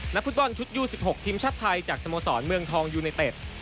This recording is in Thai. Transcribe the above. ฟุตบอลชุดยู๑๖ทีมชาติไทยจากสโมสรเมืองทองยูเนเต็ด